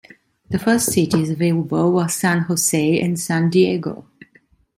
The first cities available were San Jose and San Diego.